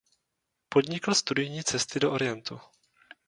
Podnikl studijní cesty do Orientu.